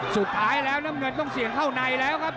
สุดท้ายแล้วน้ำเงินต้องเสี่ยงเข้าในแล้วครับ